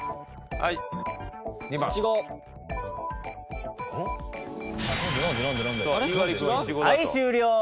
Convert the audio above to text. はい終了！